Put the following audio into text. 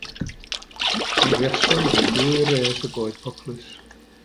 Moriasom rhwng dwy res o goed poplys.